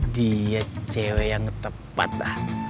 dia cewek yang tepat lah